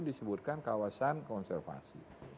disebutkan kawasan konservasi